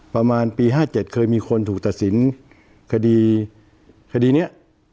ประมาณปี๕๗เคยมีคนถูกตัดสินคดีคดีนี้